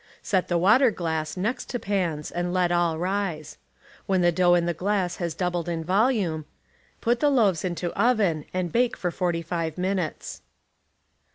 Set the water glass next to pans and let all rise. When the dough in the glass has doubled in volume, put the loaves into oven and bake for 15 minutes.